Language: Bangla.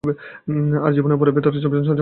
আর জীবনই অপরের ভিতর জীবন সঞ্চার করিতে পারে।